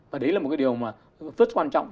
và đấy là một cái điều rất quan trọng